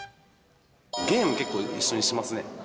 ゲーム結構、一緒にしますね。